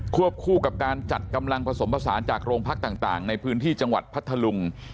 คู่กับการจัดกำลังผสมผสานจากโรงพักต่างในพื้นที่จังหวัดพัทธลุง